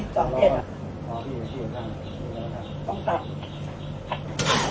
ต้องกัด